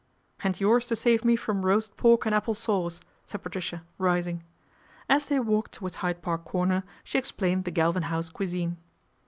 "And yours to save me from roast pork and apple sauce," said Patricia, rising. As they walked towards Hyde Park Corner she explained the Galvin House cuisine.